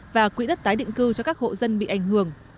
và quỹ đất tái định cư cho các hộ dân bị ảnh hưởng